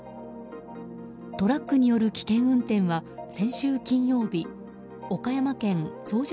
トラックによる危険運転は先週金曜日岡山県総社